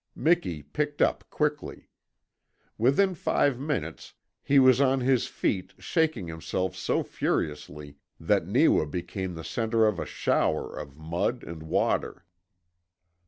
Miki picked up quickly. Within five minutes he was on his feet shaking himself so furiously that Neewa became the centre of a shower of mud and water.